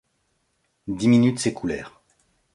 Dix minutes s’écoulèrent.